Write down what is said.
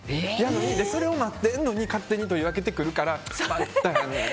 それを待っているのに勝手に取り分けてくるから。